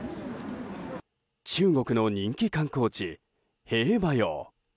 中国の人気観光地兵馬俑。